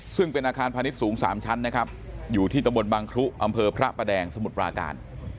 ซึ่งเป็นอาคารพาณิชย์สูง๓ชั้นนะครับอยู่ที่ตะบนบางครุอำเภอพระประแดงสมุทรปราการ